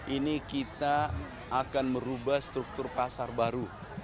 ini kita akan merubah struktur pasar baru